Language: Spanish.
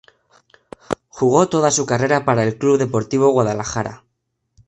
Jugó toda su carrera para el Club Deportivo Guadalajara.